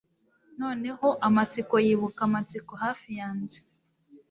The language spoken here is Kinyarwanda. noneho amatsiko yibuka amatsiko hafi yanjye